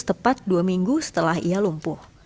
tepat dua minggu setelah ia lumpuh